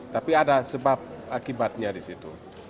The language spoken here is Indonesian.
tapi ada sebab akibatnya di situ